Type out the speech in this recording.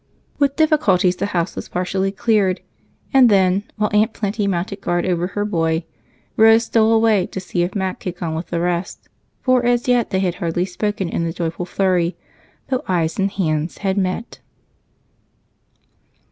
With difficulty the house was partially cleared, and then, while Aunt Plenty mounted guard over her boy, Rose stole away to see if Mac had gone with the rest, for as yet they had hardly spoken in the joyful flurry, though eyes and hands had met.